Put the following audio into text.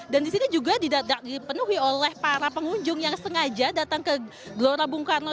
dan di sini juga dipenuhi oleh para pengunjung yang sengaja datang ke glora bung karno